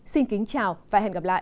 xin kính chào và hẹn gặp lại